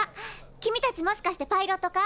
君たちもしかしてパイロット科？